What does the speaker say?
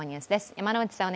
山内さん